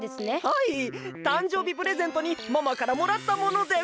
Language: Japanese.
はいたんじょうびプレゼントにママからもらったもので。